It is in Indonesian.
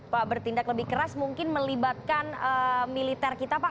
pak bertindak lebih keras mungkin melibatkan militer kita pak